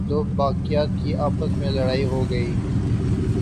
دوباقیات کی آپس میں لڑائی ہوگئی۔